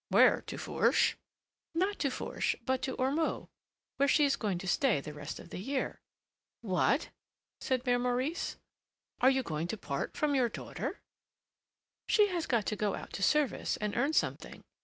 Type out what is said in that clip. "Where? to Fourche?" "Not to Fourche, but to Ormeaux, where she is going to stay the rest of the year." "What!" said Mère Maurice, "are you going to part from your daughter?" "She has got to go out to service and earn something.